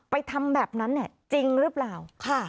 ทำแบบนั้นเนี่ยจริงหรือเปล่า